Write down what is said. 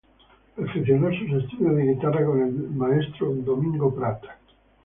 Perfeccionó sus estudios de guitarra con el maestro Domingo Prat.